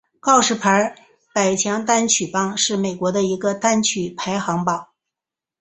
告示牌百强单曲榜是美国的一个单曲排行榜单。